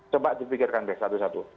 coba dipikirkan deh satu satu